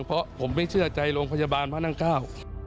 เพราะผมไม่เชื่อใจโรงพยาบาลพระนั่งเก้า